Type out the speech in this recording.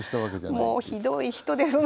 もうひどい人で。